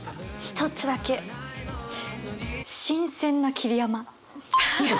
一つだけ新鮮な桐山。